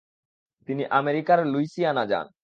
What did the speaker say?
তিনি আমেরিকার লুইসিয়ানা যান ।